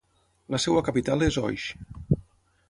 La seva capital és Oix.